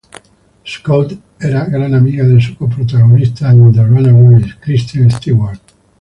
Scout es gran amiga de su co-protagonista en "The Runaways", Kristen Stewart.